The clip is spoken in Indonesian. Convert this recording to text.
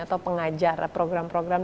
atau pengajar program program